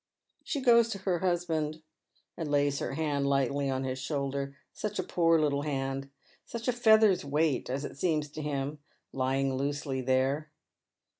She goes to her husband, and laj s her hand lightly on !iis shoulder — such a poor little hand — such a feather's weight, ;:3 it seems to him, lying loosely there.